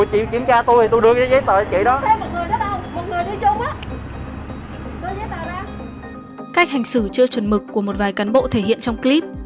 cách hành xử chưa chuẩn mực của một vài cán bộ thể hiện trong clip